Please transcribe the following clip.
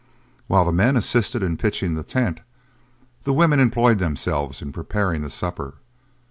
While the men assisted in pitching the tent, the women employed themselves in preparing the supper.